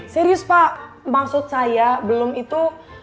serius pak maksud saya belum itu